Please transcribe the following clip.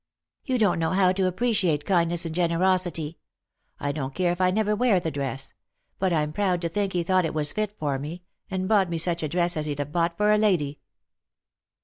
"You don't know how to appreciate kindness and generosity. I don't care if I never wear the dress ; but I'm proud to think he thought it was fit for me, and bought me such a dress as he'd have bought for a lady."